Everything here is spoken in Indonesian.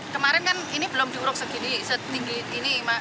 kemarin kan ini belum diuruk segini setinggi ini